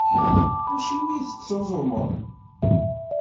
Acimi i tettuẓumeḍ?